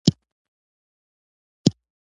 د بسوگى واده مه ځيني جوړوه.